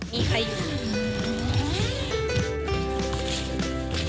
มีใครอยู่